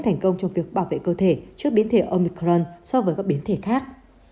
thành công trong việc bảo vệ cơ thể trước biến thể omicron so với các biến thể khác